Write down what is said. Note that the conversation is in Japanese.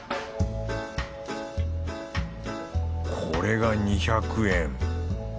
これが２００円。